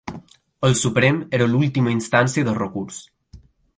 El Suprem era l’última instància de recurs.